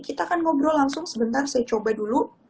kita akan ngobrol langsung sebentar saya coba dulu